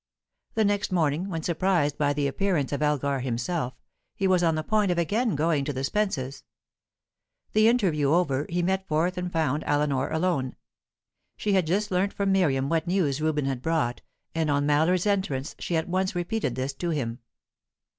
The next morning, when surprised by the appearance of Elgar himself, he was on the point of again going to the Spences'. The interview over, he met forth, and found Eleanor alone. She had just learnt from Miriam what news Reuben had brought, and on Mallard's entrance she at once repeated this to him.